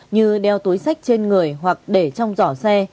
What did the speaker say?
như đeo túi sách trên người hoặc để trong giỏ xe